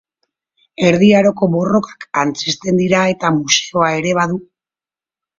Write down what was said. Erdi Aroko borrokak antzezten dira eta museoa ere badu.